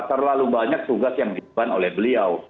terlalu banyak tugas yang diberikan oleh beliau